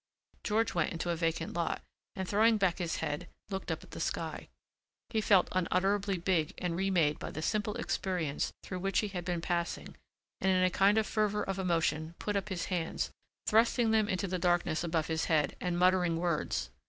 George went into a vacant lot and throwing back his head looked up at the sky. He felt unutterably big and remade by the simple experience through which he had been passing and in a kind of fervor of emotion put up his hands, thrusting them into the darkness above his head and muttering words.